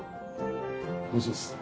おいしいです！